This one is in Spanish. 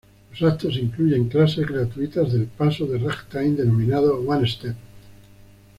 Los actos incluyen clases gratuitas del paso de ragtime denominado one-step.